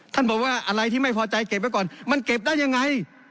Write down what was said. บอกว่าอะไรที่ไม่พอใจเก็บไว้ก่อนมันเก็บได้ยังไง